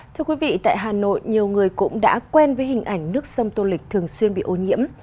thưa quý vị tại hà nội nhiều người cũng đã quen với hình ảnh nước sông tô lịch thường xuyên bị ô nhiễm